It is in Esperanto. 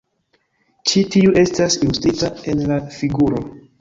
Ĉi tiu estas ilustrita en la figuro.